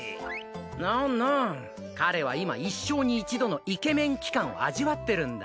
ノンノン彼は今一生に一度のイケメン期間を味わってるんだ。